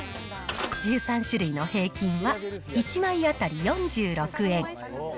１３種類の平均は１枚当たり４６円。